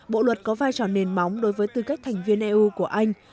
bộ luật có vai trò nền móng đối với tư cách thành viên eu của anh